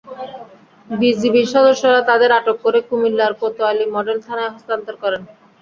বিজিবির সদস্যরা তাঁদের আটক করে কুমিল্লার কোতোয়ালি মডেল থানায় হস্তান্তর করেন।